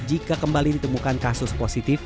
jika kembali ditemukan kasus positif